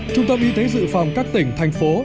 trung tâm y tế dự phòng các tỉnh thành phố